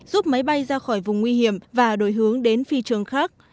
giúp máy bay ra khỏi vùng nguy hiểm và đổi hướng đến phi trường khác